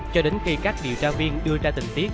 cho đến khi các điều tra viên đưa ra tình tiết